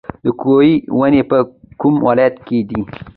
د کیوي ونې په کوم ولایت کې دي؟